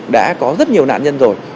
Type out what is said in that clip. đã có rất nhiều nạn nhân rồi